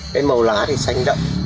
cái màu lá thì xanh đậm